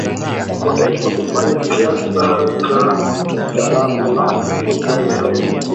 taifa Kufanya siasa za kistaarabu na siyo kuendeleza